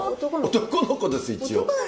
男の子です一応。